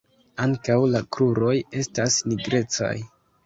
Ankaŭ la kruroj estas nigrecaj.